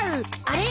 あれ？